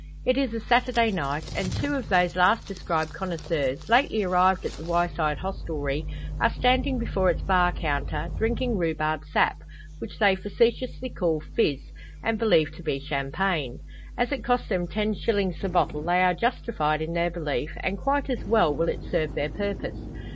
It is a Saturday night, and two of those last described connoisseurs, lately arrived at the Wyeside hostelry, are standing before its bar counter, drinking rhubarb sap, which they facetiously call "fizz," and believe to be champagne. As it costs them ten shillings the bottle they are justified in their belief; and quite as well will it serve their purpose.